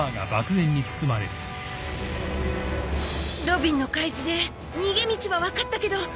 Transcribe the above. ロビンの海図で逃げ道は分かったけど。